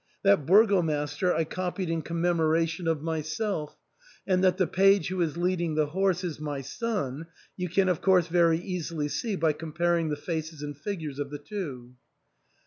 That burgomaster I copied in commemoration ARTHUR'S HALL. 339 of myself, and that the page who is leading the horse is my son you can of course very easily see by com paring the faces and figures of the two."